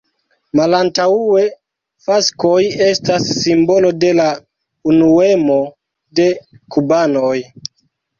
Malantaŭe faskoj estas simbolo de la unuemo de kubanoj.